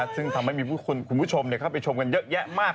ซึ่งทำให้มีคุณผู้ชมเข้าไปชมกันเยอะแยะมาก